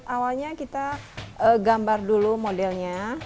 awalnya kita gambar dulu modelnya